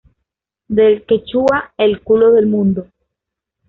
Del quechua, "el culo del mundo".